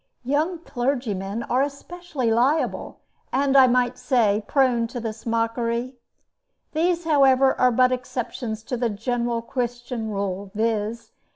Young clergymen are especially liable and, I might say, prone to this mockery. These, however, are but exceptions to the general Christian rule, viz.